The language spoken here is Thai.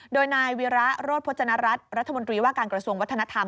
โดยนายวีระโรธพจนรัฐรัฐรัฐมนตรีว่าการกระทรวงวัฒนธรรม